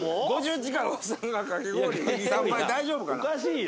大丈夫かな？